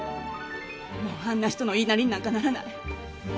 もうあんな人の言いなりになんかならない。